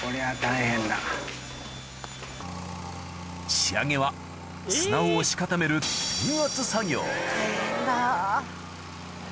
仕上げは砂を押し固める大変だ。